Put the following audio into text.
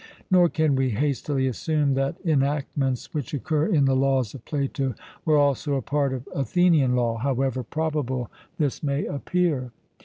Nor can we hastily assume that enactments which occur in the Laws of Plato were also a part of Athenian law, however probable this may appear.